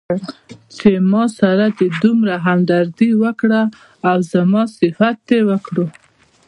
چې ماسره دې دومره همدردي وکړه او زما صفت دې وکړ.